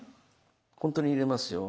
本当に入れますよ。